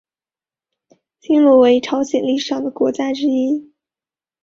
新罗为朝鲜历史上的国家之一。